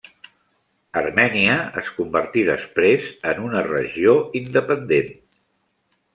Armènia es convertí després en una regió independent.